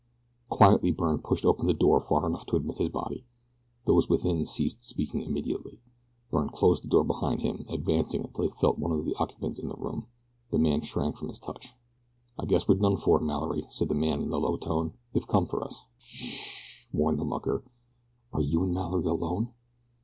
Quietly Byrne pushed open the door far enough to admit his body. Those within ceased speaking immediately. Byrne closed the door behind him, advancing until he felt one of the occupants of the room. The man shrank from his touch. "I guess we're done for, Mallory," said the man in a low tone; "they've come for us." "Sh sh," warned the mucker. "Are you and Mallory alone?"